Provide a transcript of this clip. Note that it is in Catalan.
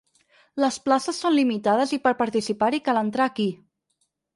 Les places són limitades i per participar-hi cal entrar aquí.